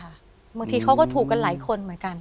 บางทีเขาก็ถูกกันหลายคนเหมือนกัน